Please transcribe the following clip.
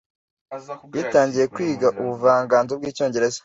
yitangiye kwiga ubuvanganzo bw'icyongereza